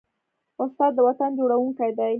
استاد د وطن جوړوونکی دی.